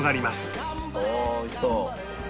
ああおいしそう。